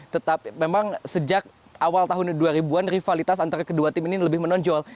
tetap memang sejak awal tahun dua ribu an rivalitas antara kedua tim ini lebih menonjol